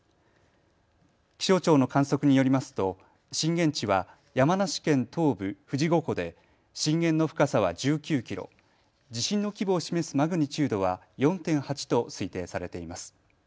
気象庁の観測によりますと震源地は山梨県東部富士五湖で震源の深さは１９キロ地震の規模を示すマグニチュードは４．８と推定されています。